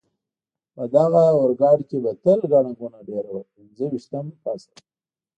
په دغه اورګاډي کې به تل ګڼه ګوڼه ډېره وه، پنځه ویشتم فصل.